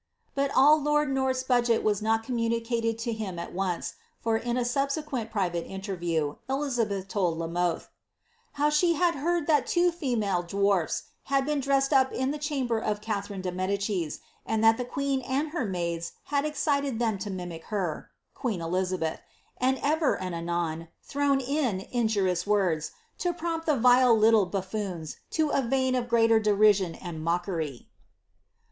Bot all lord North's budget was not comnmnicated to him at once, for 10 a subsequent private interview, Elizabeth told La Mothc, ^^ how she bad heard that two female dwarfs had been dressed up in the chamber of Catherine de Medicis, and that the queen and her maids liad excited iheiD to mimic her (queen Elizabeth), and ever and anon, thrown in in jurious words, to prompt the vile little buffoons to a vein of greater 'Jenwon and mockery."